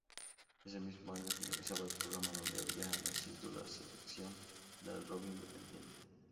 Ese mismo año finalizaba el programa donde había nacido la sección del rock independiente.